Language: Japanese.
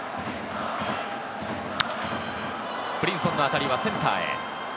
ブリンソンの当たりはセンターへ。